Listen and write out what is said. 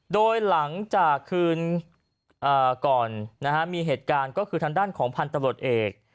โดยหลังจากคืนก่อนมีเหตุการณ์ก็คือทางด้านของพันธุ์ตำรวจเอก